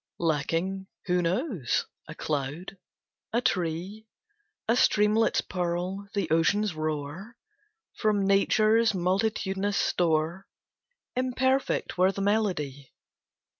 Lacking (who knows?) a cloud, a tree, A streamlet's purl, the ocean's roar From Nature's multitudinous store Imperfect were the melody!